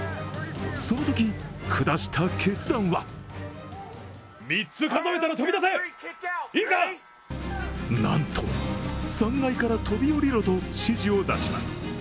そのとき下した決断はなんと３階から飛び降りろと指示を出します。